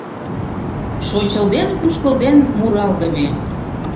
Шочылден-кушкылден муралдыме